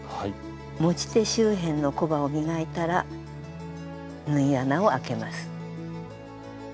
持ち手周辺のコバを磨いたら縫い穴をあけます。